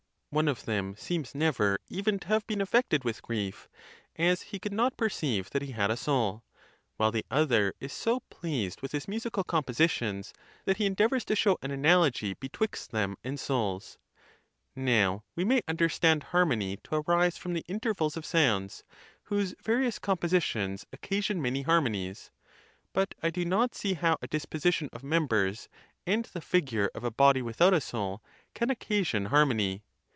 One of them seems never even to have been affected with grief, as he could not perceive that he had a soul; while the other is so pleased with his musical compositions that he endeavors to show an analogy be twixt them and souls. Now, we may understand har mony to arise from the intervals of sounds, whose various compositions occasion many harmonies; but I do not see how a disposition of members, and the figure of a bod without a soul, can occasion harmony.